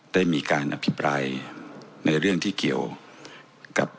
ได้มีการอภิปรายในเรื่องที่เกี่ยวกับ